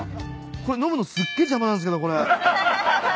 これ飲むのすっげえ邪魔なんすけど。